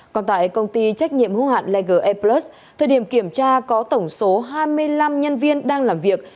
còn tại công ty trách nhiệm hô hạn leger airplus thời điểm kiểm tra có tổng số hai mươi năm nhân viên đang làm việc